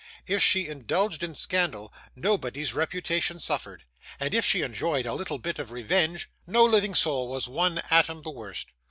If she indulged in scandal, nobody's reputation suffered; and if she enjoyed a little bit of revenge, no living soul was one atom the worse.